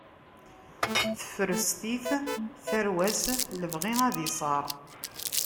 Tefrest-it tarwa-s, lebɣi ad isaṛ.